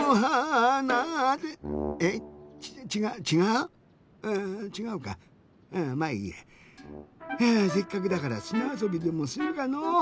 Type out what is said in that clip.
うちがうかまあいいや。えせっかくだからすなあそびでもするかのう。